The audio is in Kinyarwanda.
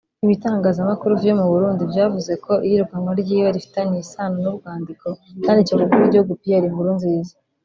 Ibitangazamakuru vyo mu Burundi vyavuze ko iyirukanwa ryiwe rifitaniye isana n'urwandiko yandikiye umukuru w'igihugu Pierre Nkurunziza